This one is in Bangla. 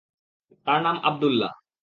তার নাম আবদুল্লাহ।